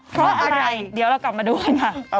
เพราะอะไรเดี๋ยวเรากลับมาดูกันค่ะ